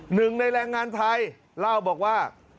หนึ่งในแรงงานไทยเล่าบอกว่า